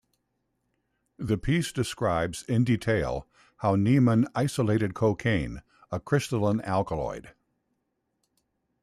The piece describes, in detail, how Niemann isolated cocaine, a crystalline alkaloid.